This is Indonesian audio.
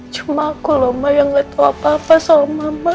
cuma aku loh mbak yang gak tau apa apa sama mama